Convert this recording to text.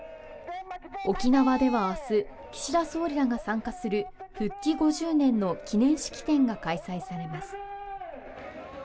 沖縄では明日、岸田総理らが参加する復帰５０年の記念式典が開催されます。